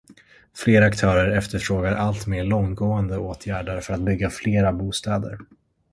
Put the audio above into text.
Fler aktörer efterfrågar alltmer långtgående åtgärder för att bygga flera bostäder.